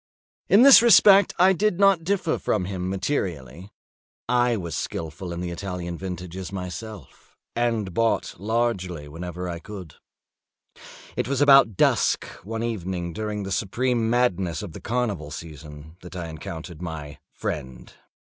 In this respect I did not differ from him materially: I was skilful in the Italian vintages myself, and bought largely whenever I could. It was about dusk, one evening during the supreme madness of the carnival season, that I encountered my friend.